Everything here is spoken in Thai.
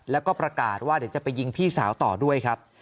แล้วก็ประกาศว่าเดี๋ยวจะไปยิงพี่สาวต่อด้วยครับ